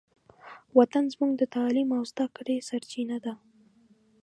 وطن زموږ د تعلیم او زدهکړې سرچینه ده.